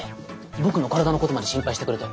僕の体のことまで心配してくれて。